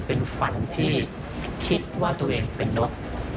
เป็นฝันที่คิดว่าตัวเองเป็นนก